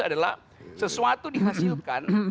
adalah sesuatu dihasilkan